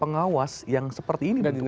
pengawas yang seperti ini begitu